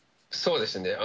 そうですね。